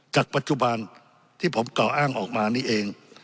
จากปัจจุบันที่ผมกล่าวอ้างออกมานี่เอง